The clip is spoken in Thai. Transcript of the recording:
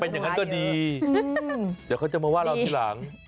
อย่างนั้นก็ดีเดี๋ยวเขาจะมาว่าเราทีหลัง